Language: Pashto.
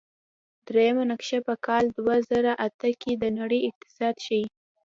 دریمه نقشه په کال دوه زره اته کې د نړۍ اقتصاد ښيي.